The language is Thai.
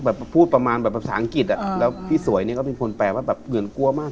พูดประมาณแบบภาษาอังกฤษอ่ะแล้วพี่สวยเนี่ยก็เป็นคนแปลว่าแบบเหมือนกลัวมาก